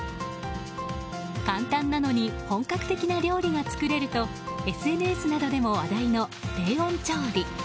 簡単なのに本格的な料理が作れるとＳＮＳなどでも話題の低温調理。